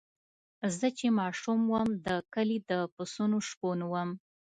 زه چې ماشوم وم د کلي د پسونو شپون وم.